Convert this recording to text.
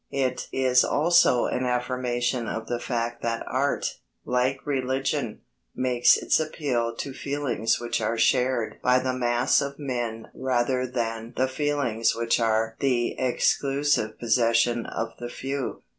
It is also an affirmation of the fact that art, like religion, makes its appeal to feelings which are shared by the mass of men rather than the feelings which are the exclusive possession of the few.